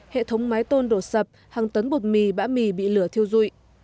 hệ thống mái tôn đổ sập hàng tấn bột mì bã mì bị lửa thiêu rụi